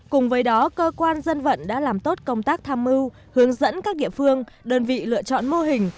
cùng với đó cơ quan dân vận đã làm tốt công tác tham mưu hướng dẫn các địa phương đơn vị lựa chọn mô hình